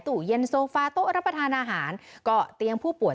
ตู้เย็นโซฟาโต๊ะรับประทานอาหารก็เตียงผู้ป่วย